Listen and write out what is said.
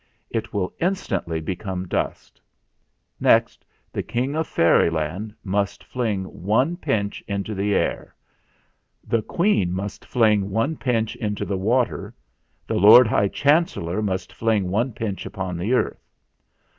It will instantly become dust. Next the King ZAGABOG'S MESSAGE 325 of Fairyland must fling one pinch into the air ; the Queen must fling one pinch into the water; the Lord High Chancellor must fling one pinch upon the earth.